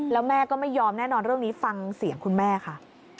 แล้วแม่ก็ไม่ยอมแน่นอนเรื่องนี้ฟังเสียงคุณแม่ค่ะ